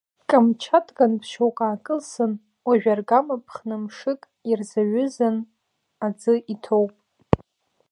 Камчаткантә шьоук аакылсын, уажә аргама ԥхны мшык ирзаҩызан аӡы иҭоуп.